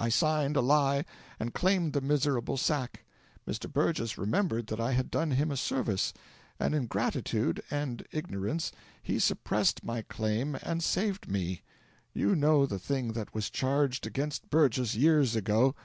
I signed a lie, and claimed the miserable sack. Mr. Burgess remembered that I had done him a service, and in gratitude (and ignorance) he suppressed my claim and saved me. You know the thing that was charged against Burgess years ago.